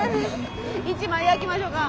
１枚焼きましょか？